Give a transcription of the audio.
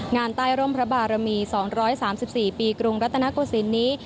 งานใต้ร่มพระบารมี๒๓๔ปีกรุงรัตนโกศิลป์นี้